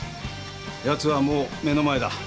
やつはもう目の前だ。